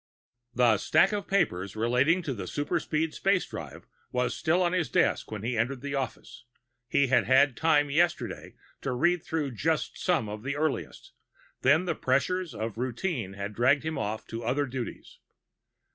The stack of papers relating to the superspeed space drive was still on his desk when he entered the office. He had had time yesterday to read through just some of the earliest; then, the pressure of routine had dragged him off to other duties.